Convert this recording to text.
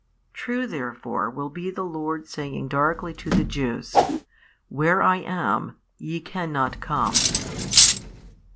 True therefore will be the Lord saying darkly to the Jews, Where I am YE cannot come.